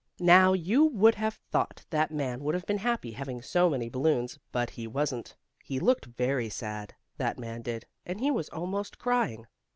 Now, you would have thought that man would have been happy, having so many balloons, but he wasn't. He looked very sad, that man did, and he was almost crying.